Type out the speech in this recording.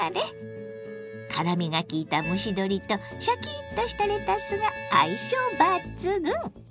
辛みがきいた蒸し鶏とシャキッとしたレタスが相性抜群！